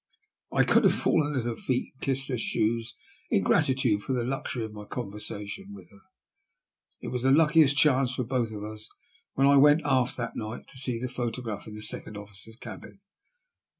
I could have fallen at her feet and kissed her shoes in gratitude for the luxury of my conversation with her. It was the luckiest chance for both of us when I went aft that night to see that photograph in the second officer's cabin.